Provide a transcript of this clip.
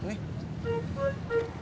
saya juga belum